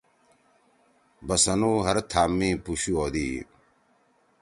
بسَنُو ہر تھام می پُشُو ہودی۔